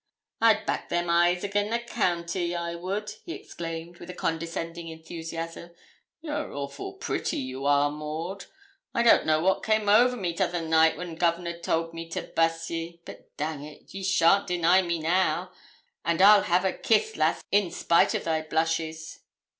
'I'd back them eyes again' the county, I would,' he exclaimed, with a condescending enthusiasm. 'You're awful pretty, you are, Maud. I don't know what came over me t'other night when Governor told me to buss ye; but dang it, ye shan't deny me now, and I'll have a kiss, lass, in spite o' thy blushes.'